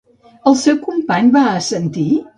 El seu company va assentir?